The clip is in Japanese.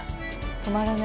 止まらない。